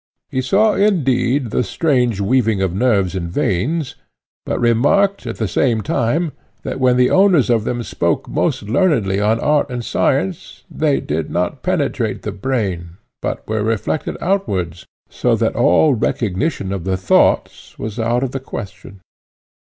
He saw indeed the strange weaving of nerves and veins, but remarked at the same time, that when the owners of them spoke most learnedly on art and science, they did not penetrate the brain, but were reflected outwards, so that all recognition of the thoughts was out of the question.